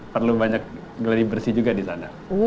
perlu banyak geladi bersih juga di sana